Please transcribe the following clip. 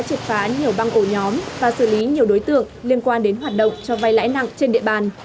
triệt phá nhiều băng ổ nhóm và xử lý nhiều đối tượng liên quan đến hoạt động cho vay lãi nặng trên địa bàn